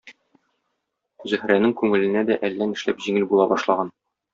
Зөһрәнең күңеленә дә әллә нишләп җиңел була башлаган.